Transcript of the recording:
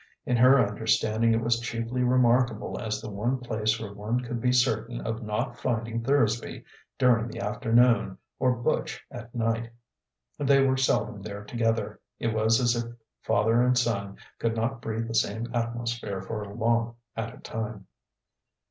In her understanding it was chiefly remarkable as the one place where one could be certain of not finding Thursby during the afternoon or Butch at night. They were seldom there together: it was as if father and son could not breathe the same atmosphere for long at a time.